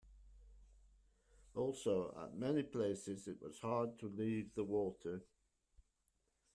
Also, at many places it was hard to leave the water.